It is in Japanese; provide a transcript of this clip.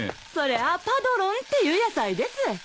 それはパドロンっていう野菜です。